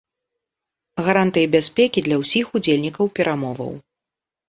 Гарантыі бяспекі для ўсіх удзельнікаў перамоваў.